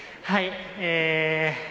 はい。